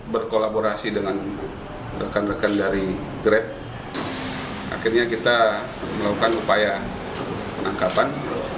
berkolaborasi dengan rekan rekan dari grab akhirnya kita melakukan upaya penangkapan